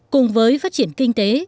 cùng với phát triển kinh tế